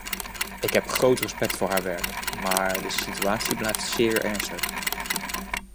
Ik heb groot respect voor haar werk, maar de situatie blijft zeer ernstig.